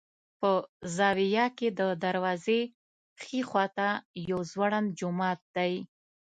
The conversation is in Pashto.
په زاویه کې د دروازې ښي خوا ته یو ځوړند جومات دی.